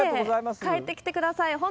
帰ってきてください。